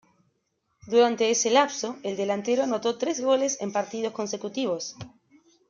Durante ese lapso, el Delantero anotó tres goles en partidos consecutivos.